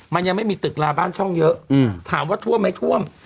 มันยังไม่มีตึกลาบ้านช่องเยอะถามว่าท่วมไหมท่วม